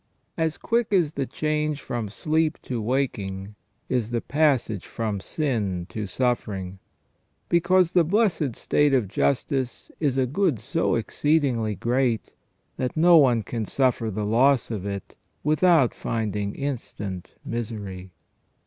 As quick as the change from sleep to waking is the passage from sin to suffering ; because the blessed state of justice is a good so exceeding great, that no one can suffer the loss of it without finding instant misery.